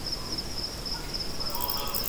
په قلم خط لیکل د دلایلو د راټولولو لاره ده.